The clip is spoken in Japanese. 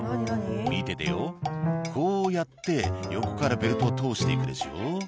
「見ててよこうやって横からベルトを通していくでしょ」